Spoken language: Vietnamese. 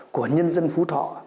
của nhân dân phú thọ